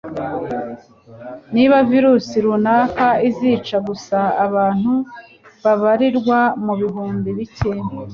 Niba virusi runaka izica gusa abantu babarirwa mu bihumbi bicye